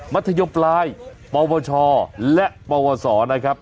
ธยมปลายปวชและปวสนะครับ